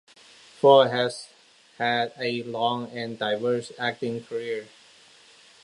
Ford has had a long and diverse acting career.